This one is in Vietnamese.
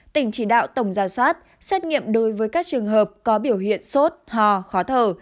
tỉnh chỉ đạo tổng gia soát xét nghiệm đối với các trường hợp có biểu hiện sốt hò khó thở